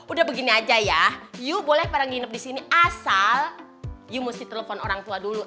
udah begini aja ya iu boleh pada nginep disini asal iu mesti telepon orang tua dulu